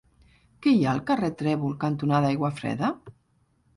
Què hi ha al carrer Trèvol cantonada Aiguafreda?